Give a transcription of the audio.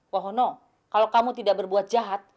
wahono kalau kamu tidak berbuat jahat